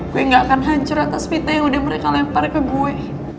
gue gak akan hancur atas pita yang udah mereka lempar ke gue